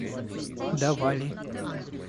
давали